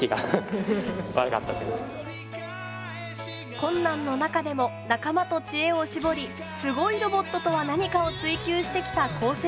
困難の中でも仲間と知恵を絞りすごいロボットとは何かを追求してきた高専生たち。